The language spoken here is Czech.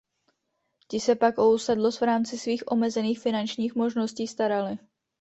Ti se pak o usedlost v rámci svých omezených finančních možností starali.